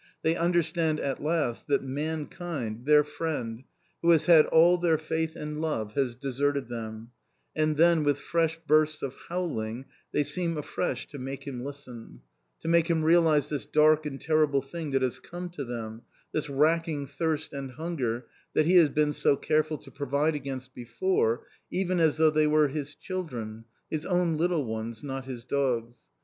They understand at last that mankind, their friend, who has had all their faith and love, has deserted them, and then with fresh bursts of howling they seem afresh to make him listen, to make him realize this dark and terrible thing that has come to them, this racking thirst and hunger that he has been so careful to provide against before, even as though they were his children, his own little ones, not his dogs.